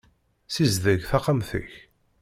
Ssizdeg taxxamt-ik.